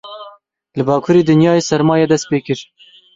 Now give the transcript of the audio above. Li bakurê dinyayê sermayê dest pê kir.